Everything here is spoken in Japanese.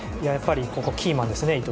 やっぱりキーマンですね